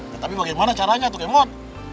ya tapi bagaimana caranya tuh kemot